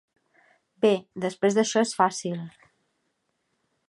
Bé, després d'això és fàcil.